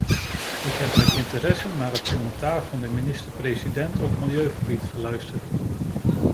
Ik heb met interesse naar het commentaar van de minister-president op milieugebied geluisterd.